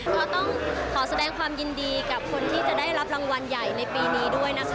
ก็ต้องขอแสดงความยินดีกับคนที่จะได้รับรางวัลใหญ่ในปีนี้ด้วยนะคะ